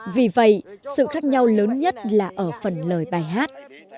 vì vậy sự khác nhau lớn nhất là ở phần lời bài hát